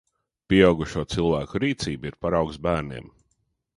Pieaugušo cilvēku rīcība ir paraugs bērniem.